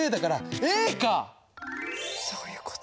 そういうこと。